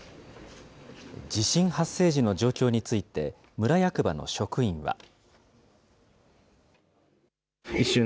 地震発生時の状況について、村役場の職員は。